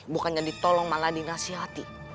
bukannya ditolong malah dinasihati